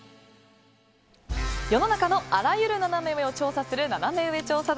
世の中のあらゆるナナメ上を調査するナナメ上調査団。